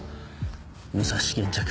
武蔵現着。